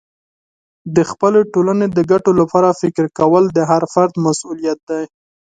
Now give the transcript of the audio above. د خپلې ټولنې د ګټو لپاره فکر کول د هر فرد مسئولیت دی.